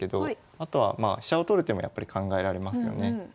あとはまあ飛車を取る手もやっぱり考えられますよね。